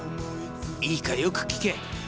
いいかよく聞け。